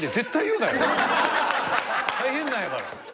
大変なんやから。